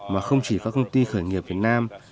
mà không chỉ các công ty khởi nghiệp việt nam